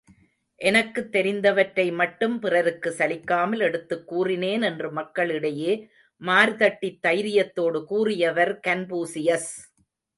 எனக்குத் தெரிந்தவற்றை மட்டும் பிறருக்கு சலிக்காமல் எடுத்துக் கூறினேன் என்று மக்கள் இடையே மார்தட்டித் தைரியத்தோடு கூறியவர் கன்பூசியஸ்!